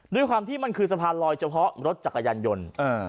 ด้วยความที่มันคือสะพานลอยเฉพาะรถจักรยานยนต์